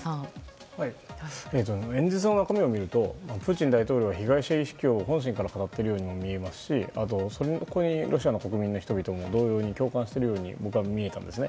演説の中身を見るとプーチン大統領は被害者意識を本心から語っているようにも見えますしそこに、ロシアの国民の人々も同様に共感しているように僕は見えたんですね。